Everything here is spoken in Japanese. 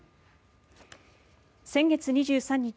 先月２３日